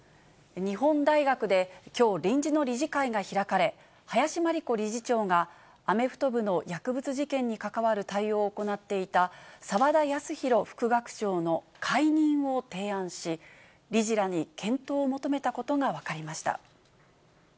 日本大学できょう、臨時の理事会が開かれ、林真理子理事長がアメフト部の薬物事件に関わる対応を行っていた澤田康弘副学長の解任を提案し、理事らに検討を求めたことが分かりました。